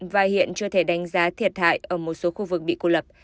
và hiện chưa thể đánh giá thiệt hại ở một số khu vực bị cô lập